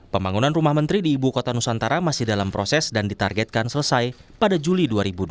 pembangunan rumah menteri di ibu kota nusantara masih dalam proses dan ditargetkan selesai pada juli dua ribu dua puluh